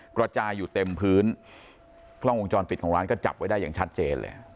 กระจายอยู่เต็มพื้นกล้องวงจรปิดของร้านก็จับไว้ได้อย่างชัดเจนเลย